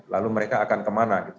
lalu mereka akan kemana gitu